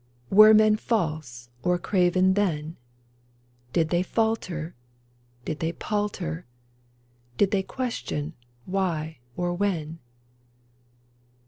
Were men false or craven then ? Did they falter ? Did they palter ? Did they question why or when